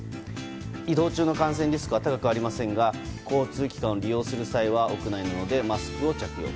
移動中の感染リスクは高くありませんが交通機関を利用する際は屋内などではマスクを着用。